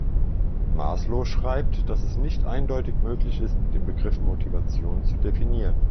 Maslow schreibt, dass es nicht eindeutig möglich ist, den Begriff Motivation zu definieren.